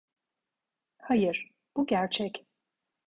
Hayır, bu gerçek.